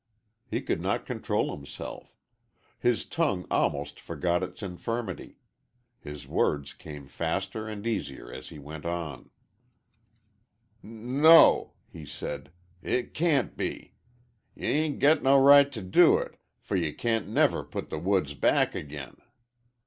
He could not control himself; his tongue almost forgot its infirmity; his words came faster and easier as he went on. "N no, no," he said, "it can't be. Ye 'ain't no r right t' do it, fer ye can't never put the w woods back agin.